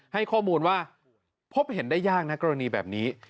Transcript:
ให้ข้อมูลว่าพบเห็นได้ยากนะกรณีแบบนี้